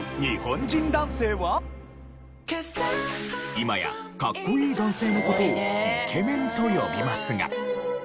今やかっこいい男性の事をイケメンと呼びますが。